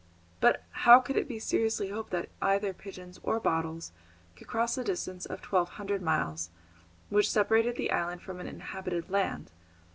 But how could it be seriously hoped that either pigeons or bottles could cross the distance of twelve hundred miles which separated the island from any inhabited land?